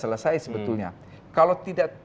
sekarang kita sebetulnya sudah membahas sampai sudah selesai